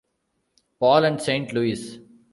Paul and Saint Louis.